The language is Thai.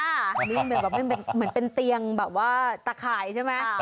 เหมือนเป็นเตียงแบบว่าตะขายใช่มั้ย